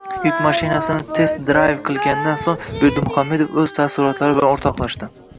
Yuk mashinasini test-drayv qilgandan so‘ng Berdimuhamedov o‘z taassurotlari bilan o‘rtoqlashdi